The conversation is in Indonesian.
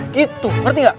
gitu ngerti gak